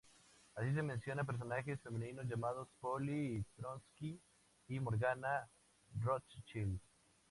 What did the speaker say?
Así, se menciona personajes femeninos llamados Polly Trotsky y Morgana Rothschild.